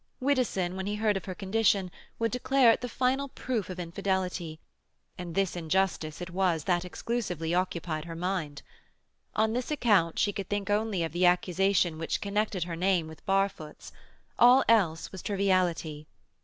Widdowson, when he heard of her condition, would declare it the final proof of infidelity; and this injustice it was that exclusively occupied her mind. On this account she could think only of the accusation which connected her name with Barfoot's—all else was triviality.